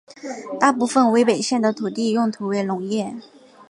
大部分威北县的土地用途为农业。